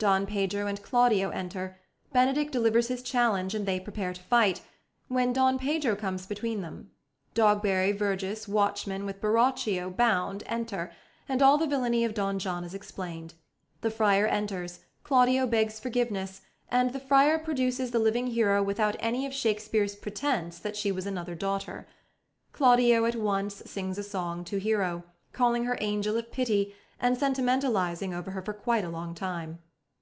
Don Pedro and Claudio enter; Benedick delivers his challenge and they prepare to fight, when Don Pedro comes between them. Dogberry, Verges, Watchmen with Borachio, bound, enter, and all the villainy of Don John is explained. The Friar enters; Claudio begs forgiveness, and the Friar produces the living Hero without any of Shakespeare's pretence that she was another daughter. Claudio at once sings a song to Hero, calling her angel of pity, and sentimentalising over her for quite a long time.